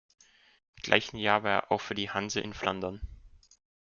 Im gleichen Jahr war er auch für die Hanse in Flandern.